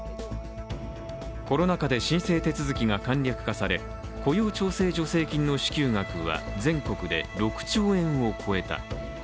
コロナ禍で申請手続きが簡略化され、雇用調整助成金の支給額は全国で６兆円を超えた。